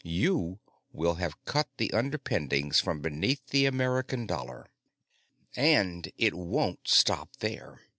You will have cut the underpinnings from beneath the American dollar. "And it won't stop there.